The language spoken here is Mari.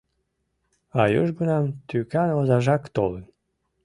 А южгунам тӱкан озажак толын.